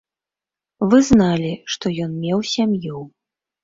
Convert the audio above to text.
Вы зналі, што ён меў сям'ю.